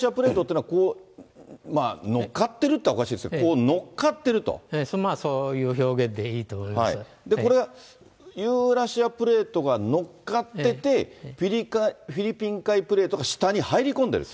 ここですね、だからユーラシアプレートというのは、こう、乗っかってるっていったらおかしいですけど、こう、乗っかっているまあ、そういう表現でいいとで、これ、ユーラシアプレートが乗っかってて、フィリピン海プレートが下に入り込んでる。